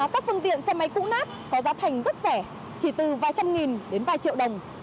các phương tiện xe máy cũ nát có giá thành rất rẻ chỉ từ vài trăm nghìn đến vài triệu đồng